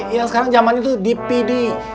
yang sekarang zaman itu dpd